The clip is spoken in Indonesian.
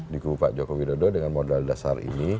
di kubu pak joko widodo dengan modal dasar ini